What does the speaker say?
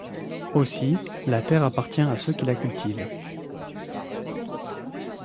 Aussi, la terre appartient à ceux qui la cultivent.